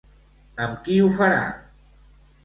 Amb qui ho farà?